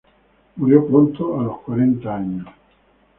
Murió pronto, a los cuarenta años.